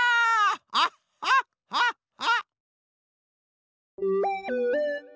ハッハッハッハ！